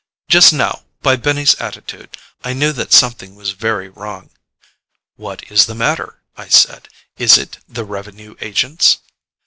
Just now, by Benny's attitude, I knew that something was very wrong. "What is the matter?" I said. "Is it the revenue agents?"